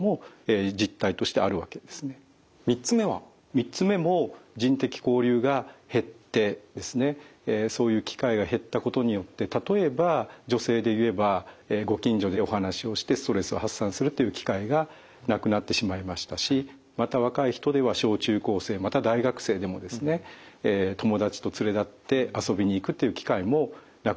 ３つ目も人的交流が減ってですねそういう機会が減ったことによって例えば女性で言えばご近所でお話をしてストレスを発散するっていう機会がなくなってしまいましたしまた若い人では小中高生また大学生でもですね友達と連れ立って遊びに行くという機会もなくなってしまいました。